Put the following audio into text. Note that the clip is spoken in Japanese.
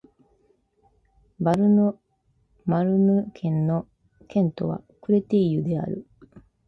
ヴァル＝ド＝マルヌ県の県都はクレテイユである